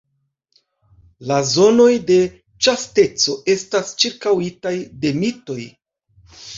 La zonoj de ĉasteco estas ĉirkaŭitaj de mitoj.